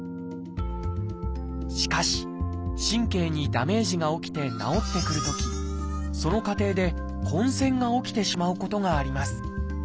しかし神経にダメージが起きて治ってくるときその過程で混線が起きてしまうことがあります。